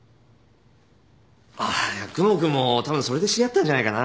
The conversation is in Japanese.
あっ久能君もたぶんそれで知り合ったんじゃないかな？